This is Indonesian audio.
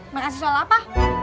makasih soal apa